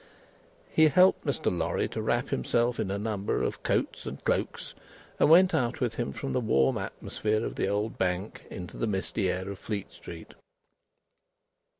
He helped Mr. Lorry to wrap himself in a number of coats and cloaks, and went out with him from the warm atmosphere of the old Bank, into the misty air of Fleet street.